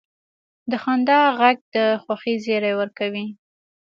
د خندا ږغ د خوښۍ زیری ورکوي.